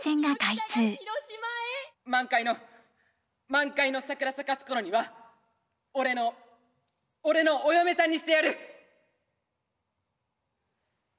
満開の満開の桜咲かすころには俺の俺のお嫁さんにしてやる！